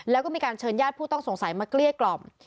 แล้วก็มีการเชิญญาติผู้ต้องสงสัยมาเกลี้ยกล่อม